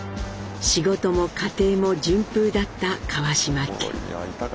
仕事も家庭も順風だった川島家。